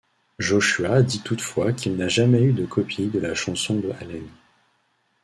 Joshua dit toutefois qu'il n'a jamais eu de copie de la chanson de Allen.